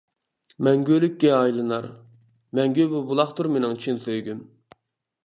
مەڭگۈلۈككە ئايلىنار، مەڭگۈ بۇ بۇلاقتۇر مېنىڭ چىن سۆيگۈم.